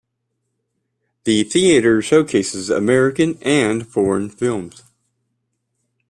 The theatre showcases American and foreign films.